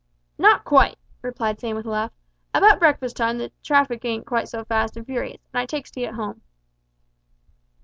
"Not quite," replied Sam with a laugh; "about breakfast time the traffic ain't quite so fast and furious, and I takes tea at home."